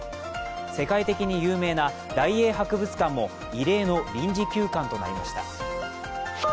世界的に有名な大英博物館も異例の臨時休館となりました。